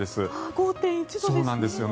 ５．１度ですね。